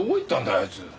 あいつ。